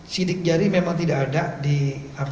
sidik jari memang tidak ada di temukan di tkp